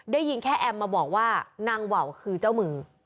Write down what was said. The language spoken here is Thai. ได้ยินแค่แอมมาบอกว่านางว่าวคือเจ้ามือ